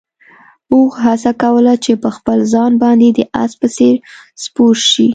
اوښ هڅه کوله چې په خپل ځان باندې د اس په څېر سپور شي.